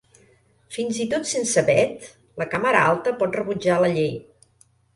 Fins i tot sense vet, la càmera alta pot rebutjar la llei.